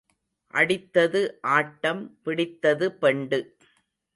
அடித்தது ஆட்டம், பிடித்தது பெண்டு.